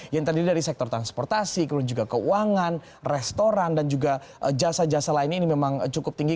yang terdiri dari sektor transportasi kemudian juga keuangan restoran dan juga jasa jasa lainnya ini memang cukup tinggi